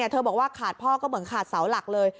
เธอบอกว่าขาดพ่อก็เหมือนขาดเสาหลักเลย